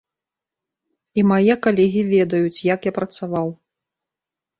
І мае калегі ведаюць, як я працаваў.